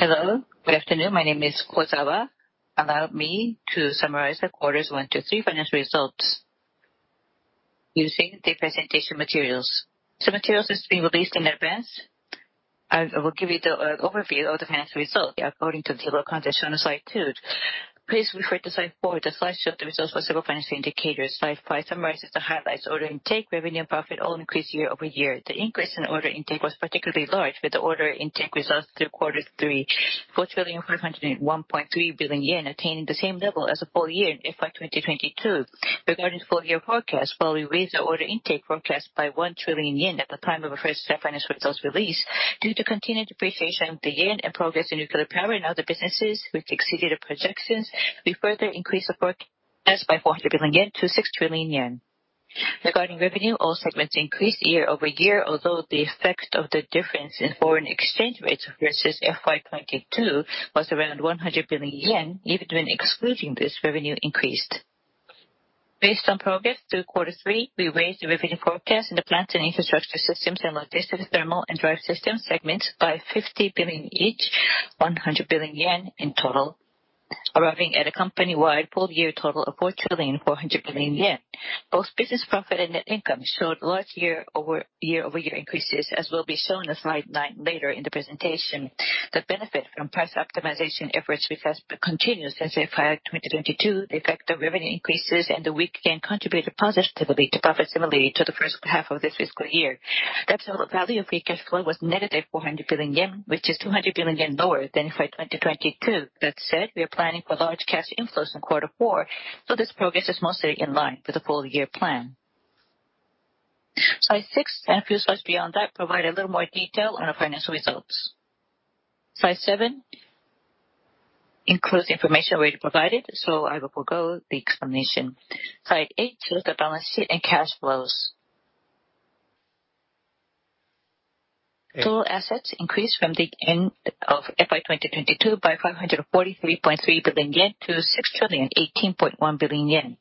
Hello, good afternoon. My name is Kozawa. Allow me to summarize the quarters one to three financial results using the presentation materials. So materials has been released in advance. I will give you the overview of the financial results according to the below content shown on slide two. Please refer to slide four. The slide shows the results for several financial indicators. Slide five summarizes the highlights, order intake, revenue, and profit all increased year-over-year. The increase in order intake was particularly large, with the order intake results through Q3, 4,401.3 billion yen, attaining the same level as the full year in FY 2022. Regarding full-year forecast, while we raised our order intake forecast by 1 trillion yen at the time of our first-half financial results release, due to continued depreciation of the yen and progress in nuclear power and other businesses, which exceeded the projections, we further increased the forecast by 400 billion yen to 6 trillion yen. Regarding revenue, all segments increased year-over-year, although the effect of the difference in foreign exchange rates versus FY 2022 was around 100 billion yen; even when excluding this, revenue increased. Based on progress through Q3, we raised the revenue forecast in the Plants and Infrastructure Systems and Logistics, Thermal, and Drive Systems segments by 50 billion each, 100 billion yen in total, arriving at a company-wide full-year total of 4.4 trillion. Both business profit and net income showed large year-over-year increases, as will be shown on slide 9 later in the presentation. The benefit from price optimization efforts we've had continues since FY 2022. The effect of revenue increases and the weak yen contributed positively to profit, similarly to the first half of this fiscal year. The total value of free cash flow was -400 billion yen, which is 200 billion yen lower than FY 2022. That said, we are planning for large cash inflows in quarter 4, so this progress is mostly in line with the full year plan. Slide 6 and a few slides beyond that provide a little more detail on our financial results. Slide 7 includes information already provided, so I will forgo the explanation. Slide 8 shows the balance sheet and cash flows. Total assets increased from the end of FY 2022 by 543.3 billion yen to 6,018.1 billion yen.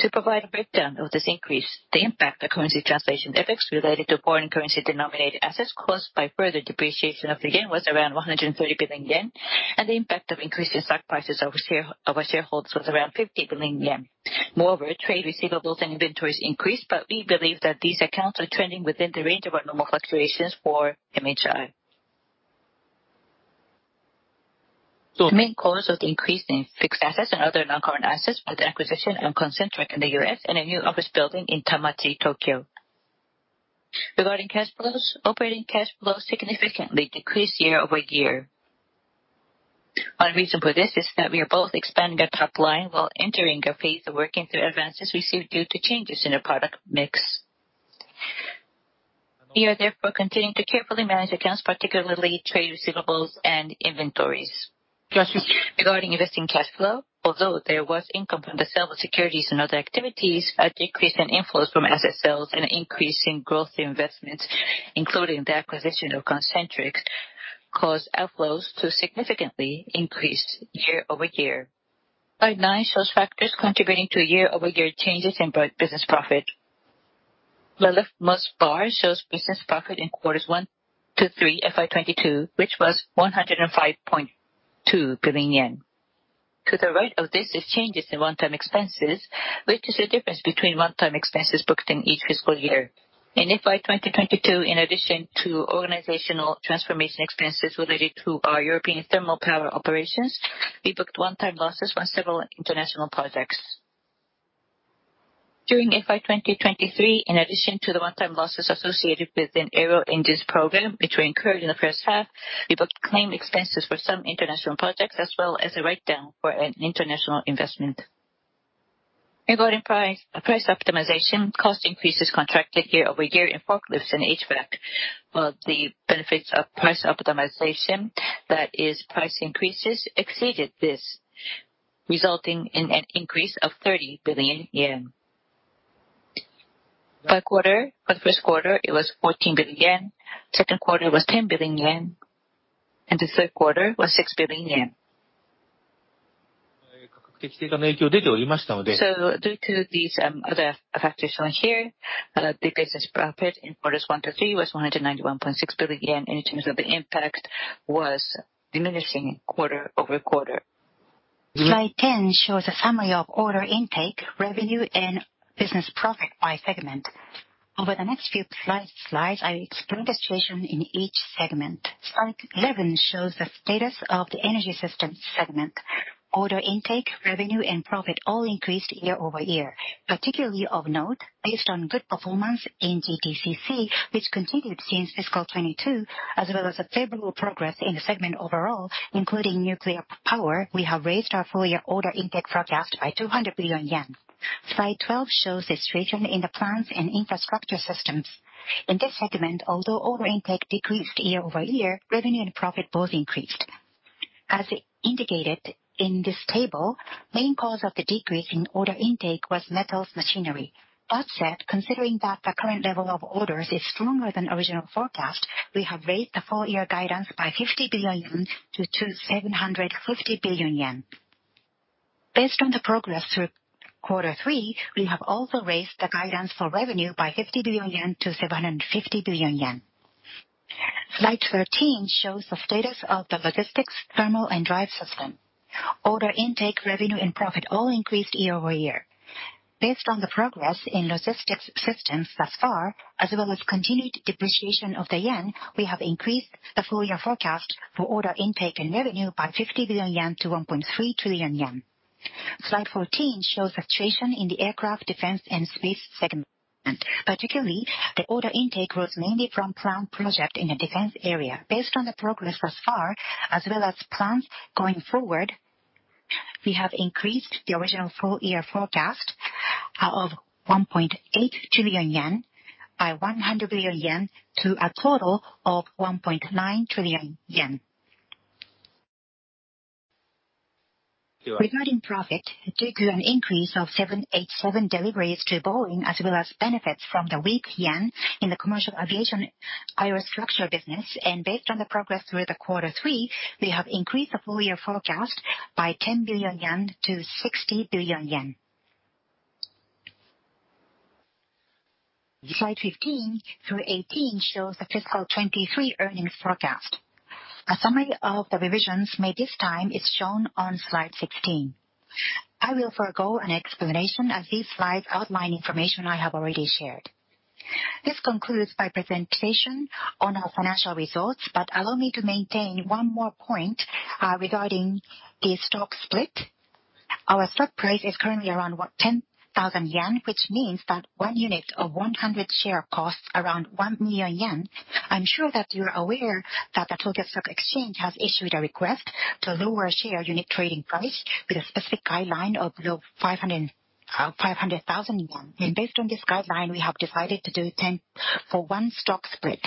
To provide a breakdown of this increase, the impact of currency translation effects related to foreign currency denominated assets caused by further depreciation of the yen was around 130 billion yen, and the impact of increasing stock prices of our share, of our shareholders was around 50 billion yen. Moreover, trade receivables and inventories increased, but we believe that these accounts are trending within the range of our normal fluctuations for MHI. The main cause of the increase in fixed assets and other non-current assets were the acquisition of Concentric in the U.S. and a new office building in Tamachi, Tokyo. Regarding cash flows, operating cash flows significantly decreased year-over-year. One reason for this is that we are both expanding our top line while entering a phase of working through advances received due to changes in our product mix. We are therefore continuing to carefully manage accounts, particularly trade receivables and inventories. Regarding investing cash flow, although there was income from the sale of securities and other activities, a decrease in inflows from asset sales and an increase in growth investments, including the acquisition of Concentric, caused outflows to significantly increase year-over-year. Slide 9 shows factors contributing to year-over-year changes in business profit. The leftmost bar shows business profit in quarters 1 to 3, FY 2022, which was 105.2 billion yen. To the right of this is changes in one-time expenses, which is the difference between one-time expenses booked in each fiscal year. In FY 2022, in addition to organizational transformation expenses related to our European thermal power operations, we booked one-time losses from several international projects. During FY 2023, in addition to the one-time losses associated with an aero engines program, which we incurred in the first half, we booked claimed expenses for some international projects, as well as a write-down for an international investment. Regarding price, price optimization, cost increases contracted year over year in forklifts and HVAC, while the benefits of price optimization, that is, price increases, exceeded this, resulting in an increase of 30 billion yen. By quarter, by the Q1, it was 14 billion yen, Q2 was 10 billion yen, and the Q3 was JPY 6 billion. So due to these, other factors shown here, the business profit in quarters one to three was 191.6 billion yen, in terms of the impact, was diminishing quarter-over-quarter. Slide 10 shows a summary of order intake, revenue, and business profit by segment. Over the next few slides, I explain the situation in each segment. Slide 11 shows the status of the Energy Systems segment. Order intake, revenue, and profit all increased year-over-year. Particularly of note, based on good performance in GTCC, which continued since fiscal 2022, as well as a favorable progress in the segment overall, including nuclear power, we have raised our full year order intake forecast by 200 billion yen. Slide 12 shows the situation in the Plants and Infrastructure Systems. In this segment, although order intake decreased year-over-year, revenue and profit both increased. As indicated in this table, main cause of the decrease in order intake was Metals Machinery. That said, considering that the current level of orders is stronger than original forecast, we have raised the full year guidance by 50 billion yen to 750 billion yen. ...Based on the progress through Q3, we have also raised the guidance for revenue by 50 billion yen to 750 billion yen. Slide 13 shows the status of theLogistics, Thermal, and Drive Systems. Order intake, revenue, and profit all increased year-over-year. Based on the progress in Logistics Systems thus far, as well as continued depreciation of the yen, we have increased the full year forecast for order intake and revenue by 50 billion yen to 1.3 trillion yen. Slide 14 shows the situation in the Aircraft, Defense, and Space segment. Particularly, the order intake growth mainly from planned project in the defense area. Based on the progress thus far, as well as plans going forward, we have increased the original full year forecast of 1.8 trillion yen by 100 billion yen to a total of 1.9 trillion yen. Regarding profit, due to an increase of 787 deliveries to Boeing, as well as benefits from the weak yen in the commercial aviation aerostructure business, and based on the progress through the Q3, we have increased the full year forecast by 10 billion yen to 60 billion yen. Slide 15 through 18 shows the fiscal 2023 earnings forecast. A summary of the revisions made this time is shown on slide 16. I will forego an explanation, as these slides outline information I have already shared. This concludes my presentation on our financial results, but allow me to maintain one more point, regarding the stock split. Our stock price is currently around, what, 10,000 yen, which means that one unit of 100 shares costs around 1 million yen. I'm sure that you're aware that the Tokyo Stock Exchange has issued a request to lower share unit trading price with a specific guideline of below 500,000, and based on this guideline, we have decided to do 10-for-1 stock split